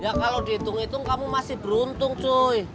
ya kalau dihitung hitung kamu masih beruntung cuy